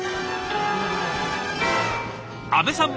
阿部さん